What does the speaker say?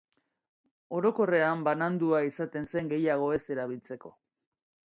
Orokorrean banandua izaten zen gehiago ez erabiltzeko.